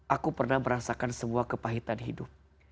aku pernah merasakan semua kepahitan hidup